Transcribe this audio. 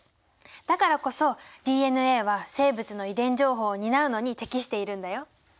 だからこそＤＮＡは生物の遺伝情報を担うのに適しているんだよ。